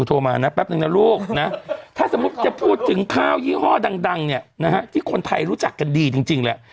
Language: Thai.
ถ้าถ้าพูดถึงข้าวยี่ห้อดังดังคนไพรรู้จักกันดีจริงแหละ